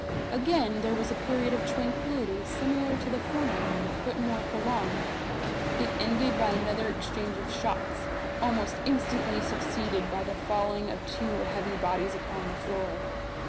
Again there was a period of tranquillity similar to the former, but more prolonged. It ended by another exchange of shots, almost instantly succeeded by the falling of two heavy bodies upon the floor.